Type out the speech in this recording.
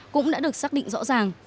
cũng đã được xác định rõ ràng